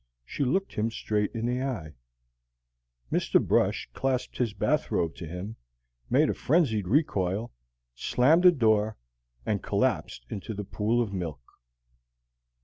She looked him straight in the eye. Mr. Brush clasped his bath robe to him, made a frenzied recoil, slammed the door, and collapsed into the pool of milk.